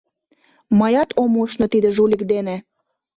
Мыят ом ушно тиде жулик дене!